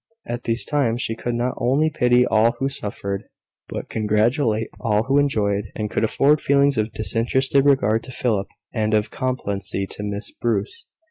At these times she could not only pity all who suffered, but congratulate all who enjoyed, and could afford feelings of disinterested regard to Philip, and of complacency to Miss Bruce.